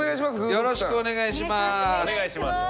よろしくお願いします。